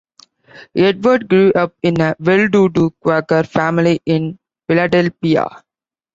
Edward grew up in a well-to-do Quaker family in Philadelphia.